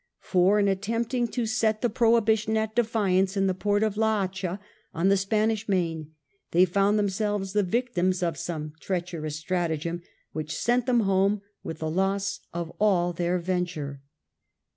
For in attempting to set the prohibition at defiance in the port of La Hacha, on the Spanish Main, they found themselves the victims of some treacherous stratagem which sent them home with the loss of all their venture.